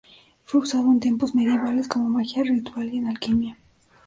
Fue usado en tiempos medievales como magia ritual y en alquimia.